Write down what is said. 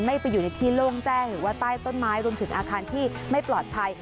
ไปอยู่ในที่โล่งแจ้งหรือว่าใต้ต้นไม้รวมถึงอาคารที่ไม่ปลอดภัย